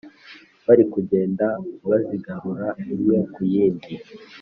bari kugenda bazigarura, imwe ku yindi.